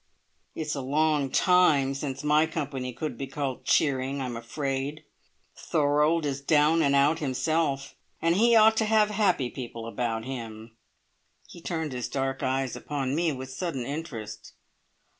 "It's a long time since my company could be called cheering, I'm afraid. Thorold is `down and out' himself, and he ought to have happy people about him." He turned his dark eyes upon me with sudden interest.